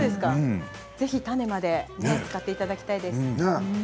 ぜひ種まで使っていただきたいです。